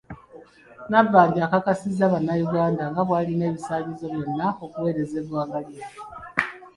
Nabbanja akakasizza bannayuganda nga bw’alina ebisaanyizo byonna okuweereza eggwanga lye.